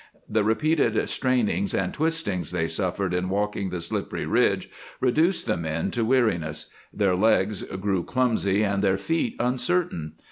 The repeated strainings and twistings they suffered in walking the slippery ridge reduced the men to weariness; their legs grew clumsy and their feet uncertain.